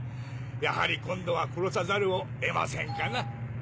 やはり今度は殺さざるを得ませんかな？